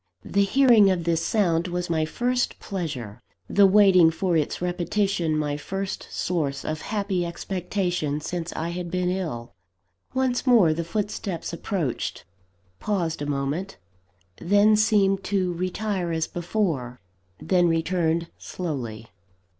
The hearing of this sound was my first pleasure, the waiting for its repetition my first source of happy expectation, since I had been ill. Once more the footsteps approached paused a moment then seemed to retire as before then returned slowly.